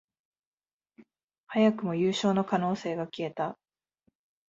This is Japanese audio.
早くも優勝の可能性が消えた